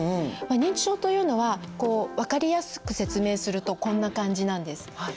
認知症というのは分かりやすく説明するとこんな感じなんです。